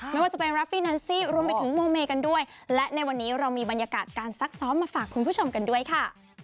ไม่ว่าจะเป็นรัฟฟี้นันซี่รวมไปถึงโมเมกันด้วยและในวันนี้เรามีบรรยากาศการซักซ้อมมาฝากคุณผู้ชมกันด้วยค่ะ